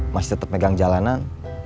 masih tetap megang jalanan